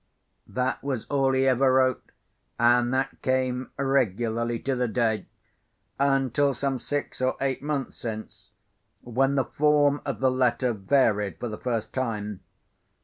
That was all he ever wrote, and that came regularly to the day; until some six or eight months since, when the form of the letter varied for the first time.